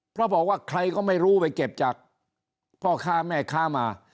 เพราะบอกว่าใครก็ไม่รู้ไปเก็บจากพ่อค้าแม่ค้ามา